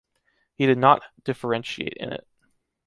He did not differentiate in it